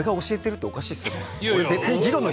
俺が教えてるっておかしいですよね。